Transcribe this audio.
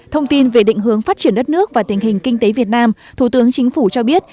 thông tin về định hướng phát triển đất nước và tình hình kinh tế việt nam thủ tướng chính phủ cho biết